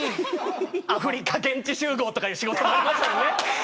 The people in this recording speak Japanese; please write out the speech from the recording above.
アフリカ現地集合とかいう仕事もありましたもんね。